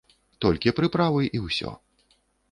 Толькі прыправы, і ўсё.